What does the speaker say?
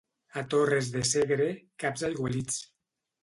A Torres de Segre, caps aigualits.